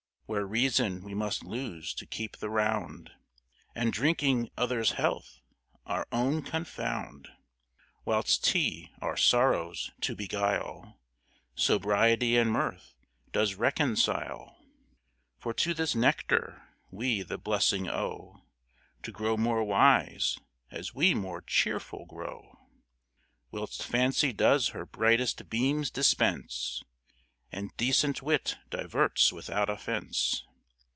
Where Reason we must lose to keep the Round, And drinking others Health's, our own confound: Whilst TEA, our Sorrows to beguile, Sobriety and Mirth does reconcile: For to this Nectar we the Blessing owe, To grow more Wise, as we more Cheerful grow. Whilst fancy does her brightest beams dispense, And decent Wit diverts without Offense.